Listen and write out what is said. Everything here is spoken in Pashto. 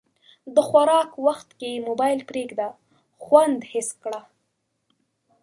د خوراک وخت کې موبایل پرېږده، خوند حس کړه.